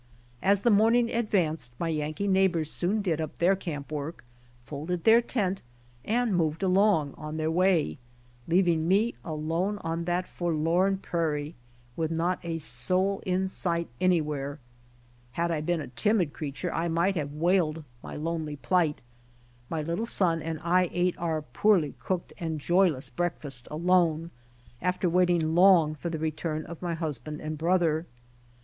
As the morning advanced my Yankee neighbors soon did up their camp work, folded their tent, and moved along on their way, leaving me alone on that forlorn prairie, with not a soul in sight anywhere. Had I been a timid creature I might have wailed my lonely plight. My little son and I ate our poorly cooked and joyless breakfast alone, after waiting long for the return of my husband and brother.